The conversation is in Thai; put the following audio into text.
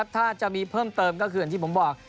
ถ้าจะมีเพิ่มเติมก็คืออย่างที่ผมบอก